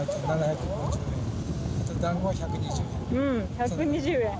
１２０円。